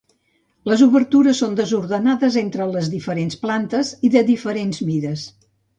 Les obertures són desordenades entre les diferents plantes i de diferents mides.